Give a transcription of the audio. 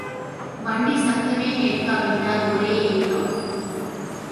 வண்டிச் சப்தமே கேட்காவிட்டால் ஒரே ஏக்கம்.